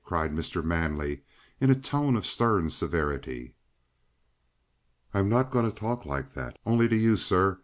cried Mr. Manley in a tone of stern severity. "I'm not going to talk like that only to you, sir.